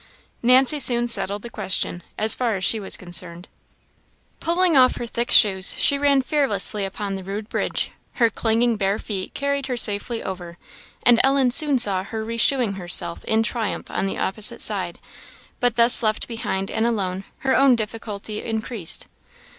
Nancy soon settled the question, as far as she was concerned. Pulling off her thick shoes, she ran fearlessly upon the rude bridge; her clinging bare feet carried her safely over, and Ellen soon saw her re shoeing herself in triumph on the opposite side; but thus left behind and alone, her own difficulty increased.